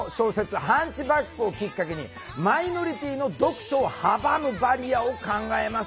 「ハンチバック」をきっかけにマイノリティーの読書を阻むバリアを考えます。